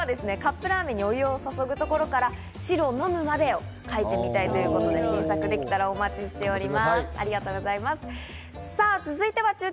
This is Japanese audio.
今後はカップラーメンにお湯を注ぐところから汁を飲むまで描いてみたいということで、新作できたらお待ちしています。